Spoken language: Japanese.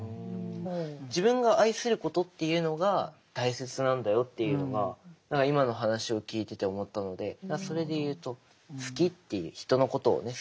自分が愛することっていうのが大切なんだよっていうのが何か今の話を聞いてて思ったのでそれで言うと好きっていう人のことをね